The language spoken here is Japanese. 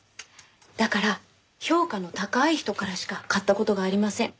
だから評価の高い人からしか買った事がありません。